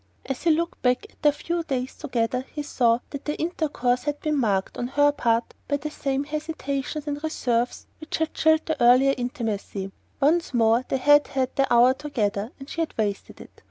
As he looked back at their few days together he saw that their intercourse had been marked, on her part, by the same hesitations and reserves which had chilled their earlier intimacy. Once more they had had their hour together and she had wasted it.